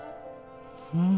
うん。